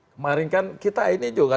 kemarin kan kita ini juga